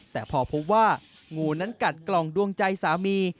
แต่พอพบว่างูนั้นกัดกล่องดวงใจสามี